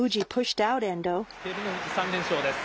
照ノ富士、３連勝です。